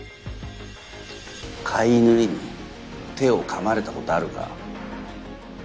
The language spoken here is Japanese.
飼い犬に手を噛まれたことあるか？